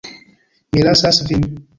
Mi lasas vin.